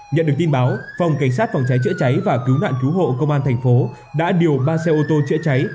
nhận được tin báo phòng cảnh sát phòng cháy chữa cháy và cứu nạn cứu hộ công an thành phố đã điều ba xe ô tô chữa cháy